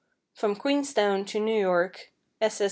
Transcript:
=: From Queenstown to New York, S. S.